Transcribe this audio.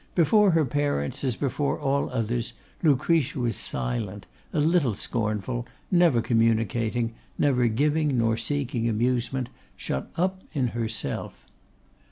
Before her parents, as before all others, Lucretia was silent, a little scornful, never communicating, neither giving nor seeking amusement, shut up in herself.